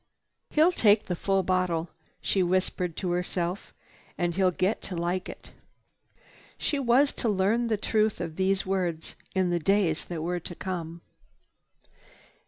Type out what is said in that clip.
"He'll take the full bottle," she whispered to herself. "And he'll get to like it." She was to learn the truth of these words in days that were to come.